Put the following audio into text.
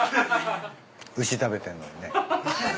牛食べてんのにね。